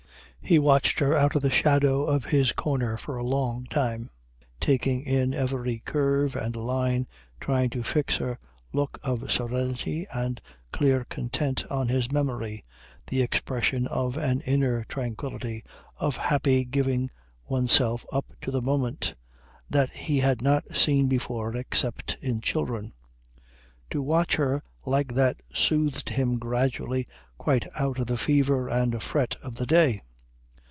He watched her out of the shadow of his corner for a long time, taking in every curve and line, trying to fix her look of serenity and clear content on his memory, the expression of an inner tranquillity, of happy giving oneself up to the moment that he had not seen before except in children. To watch her like that soothed him gradually quite out of the fever and fret of the day.